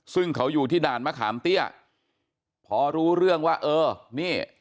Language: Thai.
ซึ่งเขาอยู่ที่ด่านมะขามเตี้ยพอรู้เรื่องว่าเออนี่